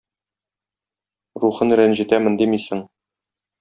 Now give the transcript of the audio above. рухын рәнҗетәмен димисең!